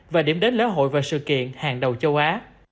và điểm đến lễ hội và sự kiện hàng đầu châu á